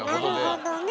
なるほどね。